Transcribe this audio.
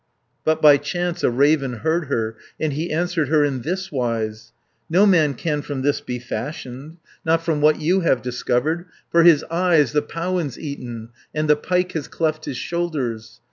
But by chance a raven heard her, And he answered her in thiswise: "No man can from this be fashioned, Not from what you have discovered, For his eyes the powan's eaten, And the pike has cleft his shoulders.